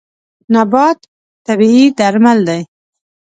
نبات طبیعي درمل دی.